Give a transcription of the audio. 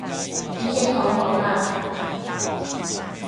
已經好好啦